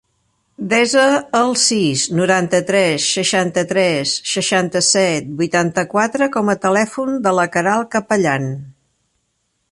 Desa el sis, noranta-tres, seixanta-tres, seixanta-set, vuitanta-quatre com a telèfon de la Queralt Capellan.